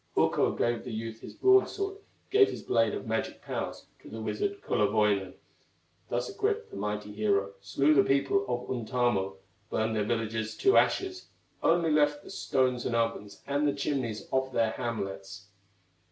Ukko gave the youth his broadsword, Gave his blade of magic powers To the wizard, Kullerwoinen. Thus equipped, the mighty hero Slew the people of Untamo, Burned their villages to ashes; Only left the stones and ovens, And the chimneys of their hamlets.